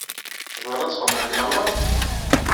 Tebɣiḍ ad txedmeḍ deg Lalman?